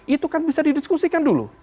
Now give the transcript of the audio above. itu kan bisa didiskusikan dulu